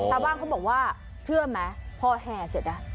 ถ้าบ้างเขาบอกว่าเชื่อไหมพอแห่เสียด้าน